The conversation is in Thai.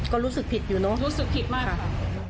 ก็รู้สึกผิดอยู่เนอะค่ะรู้สึกผิดมากค่ะค่ะค่ะ